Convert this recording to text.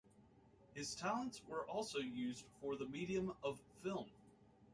His talents were also used for the medium of film.